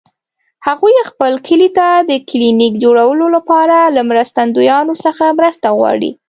هغوی خپل کلي ته د کلینیک جوړولو لپاره له مرستندویانو څخه مرسته غواړي